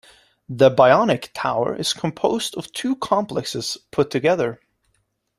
The Bionic Tower is composed of two complexes put together.